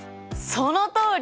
そのとおり！